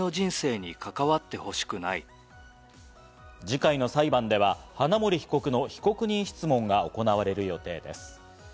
次回の裁判では、花森被告の被告人質問が行われる予定です。